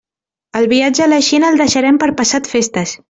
El viatge a la Xina el deixarem per passat festes.